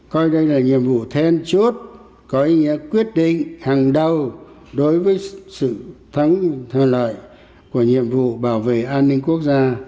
coi đây là nhiệm vụ then chốt có ý nghĩa quyết định hàng đầu đối với sự thắng thơ lợi của nhiệm vụ bảo vệ an ninh quốc gia